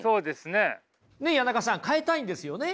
ねっ谷中さん変えたいんですよね？